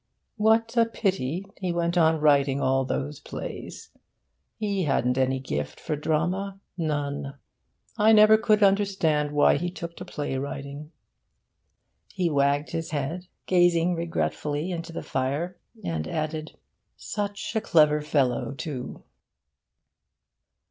What a pity he went on writing all those plays! He hadn't any gift for drama none. I never could understand why he took to play writing.' He wagged his head, gazing regretfully into the fire, and added, 'Such a clever fellow, too!